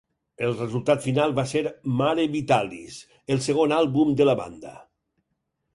El resultat final va ser "Mare Vitalis", el segon àlbum de la banda.